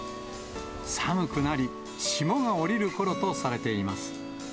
寒くなり、霜が降りるころとされています。